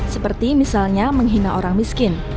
seperti misalnya menghina orang miskin